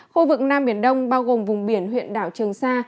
khu vực nam biển đông bao gồm vùng biển huyện đảo trường sa